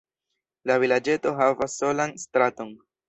La vilaĝeto havas solan straton.